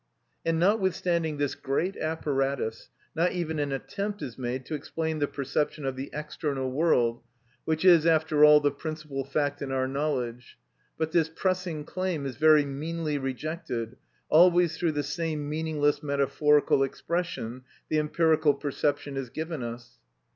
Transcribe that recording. And notwithstanding this great apparatus, not even an attempt is made to explain the perception of the external world, which is after all the principal fact in our knowledge; but this pressing claim is very meanly rejected, always through the same meaningless metaphorical expression: "The empirical perception is given us."